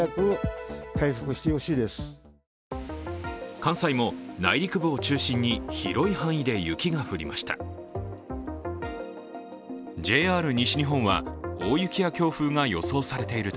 関西も内陸部を中心に広い範囲で雪が降りました。